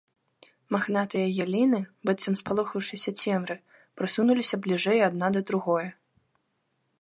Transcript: Махнатыя яліны, быццам спалохаўшыся цемры, прысунуліся бліжэй адна да другое.